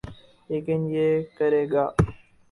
لیکن یہ کرے گا۔